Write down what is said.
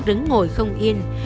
rứng ngồi không yên